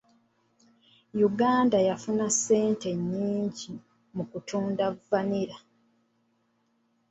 Uganda yafuna ssente nnyingi mu kutunda vanilla.